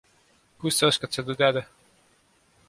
Kust sa oskad seda teada!